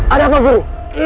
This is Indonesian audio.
ada apa guru